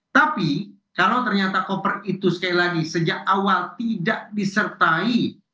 tapi kalau ternyata koper itu sekali lagi sejak awal tidak disertai